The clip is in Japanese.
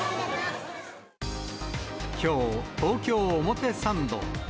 きょう、東京・表参道。